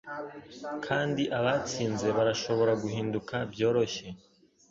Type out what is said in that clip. kandi abatsinze barashobora guhinduka byoroshye